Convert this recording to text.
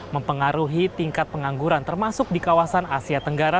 mempengaruhi tingkat pengangguran termasuk di kawasan asia tenggara